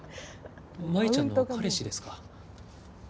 舞ちゃんの彼氏ですか。